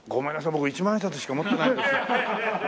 僕１万円札しか持ってないんです。